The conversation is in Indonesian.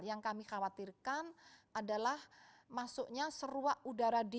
yang kami khawatirkan adalah masuknya seruak udara